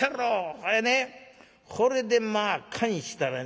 これねこれでまあ燗したらね